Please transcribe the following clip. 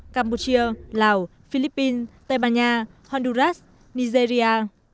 campuchia lào philippines tây ban nha honduras nigeria